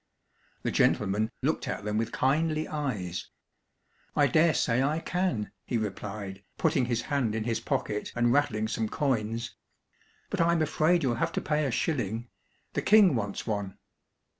The gentleman looked at them with kindly eyes. "I dare say I can," he replied, putting his hand in his pocket, and rattling some coins. "But I'm afraid you'll have to pay a shilling. The King wants one."